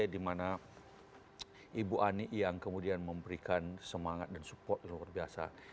dimana ibu ani yang kemudian memberikan semangat dan support luar biasa